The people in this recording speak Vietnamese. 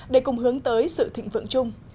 để cùng hướng tới sự thịnh vượng chung